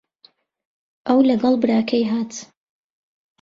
ئەو لەگەڵ براکەی هات.